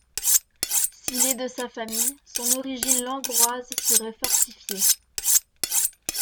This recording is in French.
S'il est de sa famille, son origine langroise serait fortifiée.